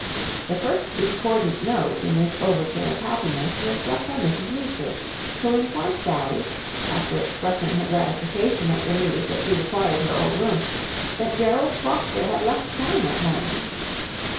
The first discordant note in this overture of happiness was struck by Mrs. Meecher, who informed Sally, after expressing her gratification at the news that she required her old room, that Gerald Foster had left town that morning.